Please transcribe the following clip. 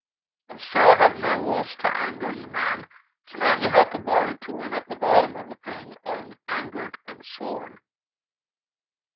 'I'm sure I hae nae wuss to anger ye, man! Canna ye help a body to win at the boddom o' a thing ohn angert an' sworn?'